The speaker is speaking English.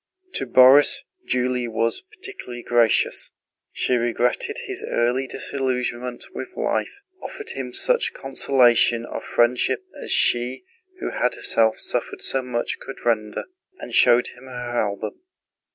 To Borís, Julie was particularly gracious: she regretted his early disillusionment with life, offered him such consolation of friendship as she who had herself suffered so much could render, and showed him her album.